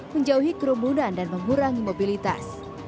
menjauhi kerumunan dan mengurangi mobilitas